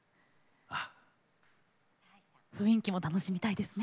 雰囲気も楽しみたいですね。